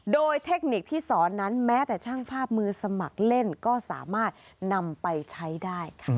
โดยเทคนิคที่สอนนั้นแม้แต่ช่างภาพมือสมัครเล่นก็สามารถนำไปใช้ได้